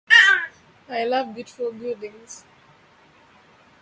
The building where the armistice was signed still stands.